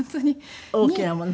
大きなもの？